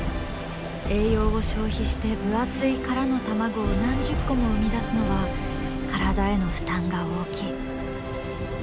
栄養を消費して分厚い殻の卵を何十個も産み出すのは体への負担が大きい。